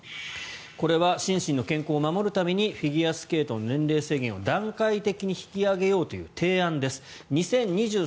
これは心身の健康を守るためにフィギュアスケートの年齢制限を段階的に引き上げようという提案です。